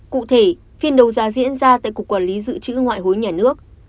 cụ thể phiên đấu giá diễn ra tại cục quản lý dự trữ ngoại hối nhà nước